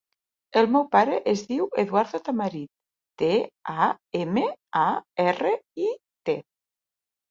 El meu pare es diu Eduardo Tamarit: te, a, ema, a, erra, i, te.